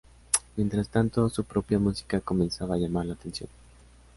Mientras tanto, su propia música comenzaba a llamar la atención.